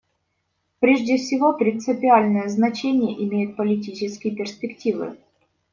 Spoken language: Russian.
Прежде всего принципиальное значение имеют политические перспективы.